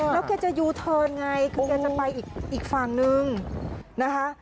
แล้วแกจะยูเทิร์นไงคือแกจะไปอีกฝั่งนึงนะคะ